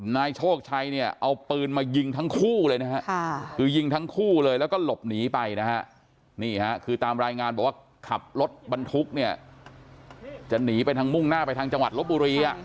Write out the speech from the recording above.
นายโชคชัยเนี่ยเอาปืนมายิงทั้งคู่เลยนะฮะคือยิงทั้งคู่เลยแล้วก็หลบหนีไปนะฮะนี่ฮะคือตามรายงานบอกว่าขับรถบรรทุกเนี่ยจะหนีไปทางมุ่งหน้าไปทางจังหวัดลบบุรี